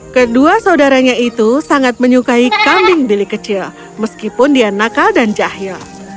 kedua saudaranya itu sangat menyukai kambing bilik kecil meskipun dia nakal dan jahil